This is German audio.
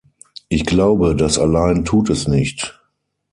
Ich glaube, das allein tut es nicht.